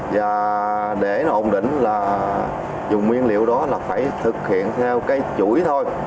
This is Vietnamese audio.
và để nó ổn định là dùng nguyên liệu đó là phải thực hiện theo cái chuỗi thôi